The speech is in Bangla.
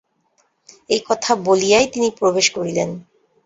এই কথা বলিয়াই তিনি প্রবেশ করিলেন।